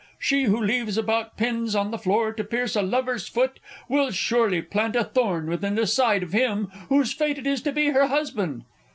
She who leaves about Pins on the floor to pierce a lover's foot, Will surely plant a thorn within the side Of him whose fate it is to be her husband!